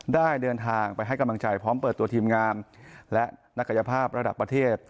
ได้เดินทางไปให้กำลังใจพร้อมเปิดตัวทีมงานและนักกายภาพระดับประเทศ